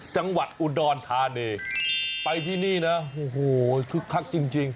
จังหวัดอุดรธานีไปที่นี่นะโอ้โหคึกคักจริงจริง